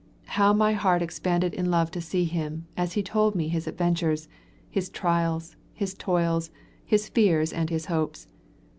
How my heart expanded in love to him, as he told me his adventures, his trials, his toils, his fears and his hopes!